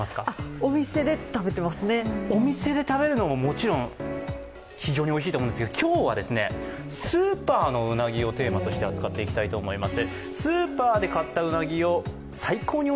お店で食べるのももちろんおいしいんですが、今日はスーパーのうなぎをテーマとして扱っていきたいと思います。